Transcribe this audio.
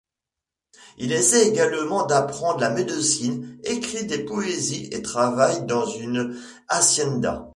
Il essaie également d'apprendre la médecine, écrit des poésie et travaille dans une hacienda.